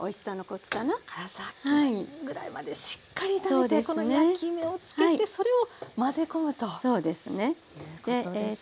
さっきぐらいまでしっかり炒めてこの焼き目をつけてそれを混ぜ込むということですか。